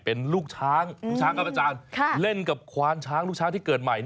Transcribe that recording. เป็นลูกช้างลูกช้างครับอาจารย์เล่นกับควานช้างลูกช้างที่เกิดใหม่